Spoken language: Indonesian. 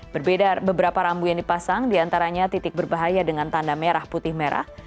berbeda beberapa rambu yang dipasang diantaranya titik berbahaya dengan tanda merah putih merah